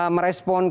merespon klaim dan